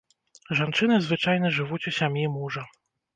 Жанчыны звычайна жывуць у сям'і мужа.